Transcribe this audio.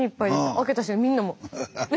開けたらみんなもう。